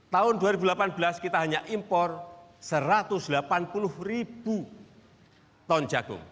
tahun dua ribu delapan belas kita hanya impor satu ratus delapan puluh ribu ton jagung